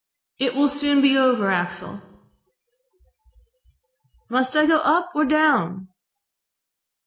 "It will soon be over, Axel." .... "Must I go up or down?"